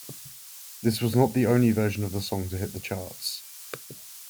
This was not the only version of the song to hit the charts.